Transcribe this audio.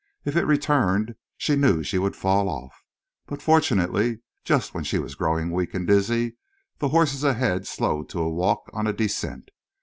If it returned she knew she would fall off. But, fortunately, just when she was growing weak and dizzy, the horses ahead slowed to a walk on a descent.